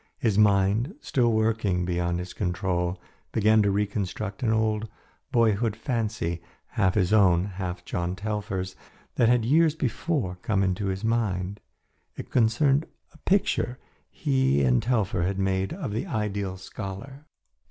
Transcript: His mind, still working beyond his control, began to reconstruct an old boyhood fancy, half his own, half John Telfer's, that had years before come into his mind. It concerned a picture he and Telfer had made of the ideal scholar.